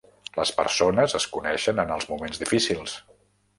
Les persones es coneixen en els moments difícils.